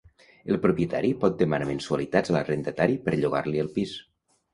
El propietari pot demanar mensualitats a l'arrendatari per llogar-li el pis